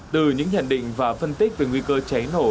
từ những nhận định và phân tích về nguy cơ cháy nổ